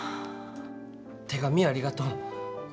手紙ありがとう。